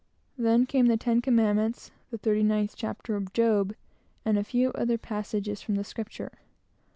Then came the ten commandments; the thirty ninth chapter of Job, and a few other passages from Scripture.